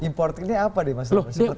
importer ini apa mas